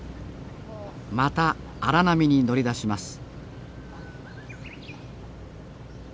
また荒波に乗り出します